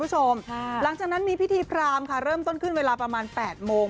หลังจากนั้นมีพิธีพรามค่ะเริ่มต้นขึ้นเวลาประมาณ๘โมง